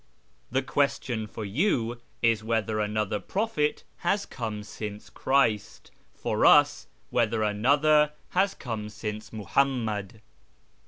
The question for you is whether another prophet has come since Christ : for us, whether another has come since Muhammad."